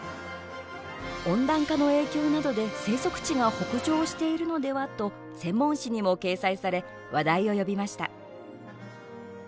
温暖化の影響などで生息地が北上しているのではと専門誌にも掲載され話題を呼びました。